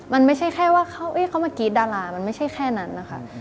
มันไม่ใช่แค่ว่าเขามากรี๊ดดารามันไม่ใช่แค่นั้นนะคะ